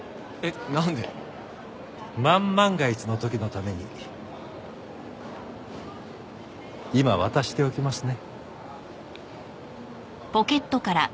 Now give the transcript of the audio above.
万万が一の時のために今渡しておきますね。